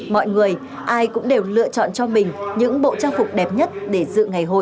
mọi người ai cũng đều lựa chọn cho mình những bộ trang phục đẹp nhất để dự ngày hội